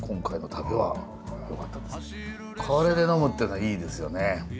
これで呑むってのはいいですよね。